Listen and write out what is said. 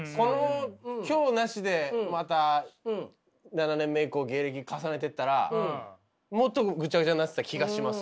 今日なしでまた７年目以降芸歴重ねてったらもっとぐちゃぐちゃになってた気がします。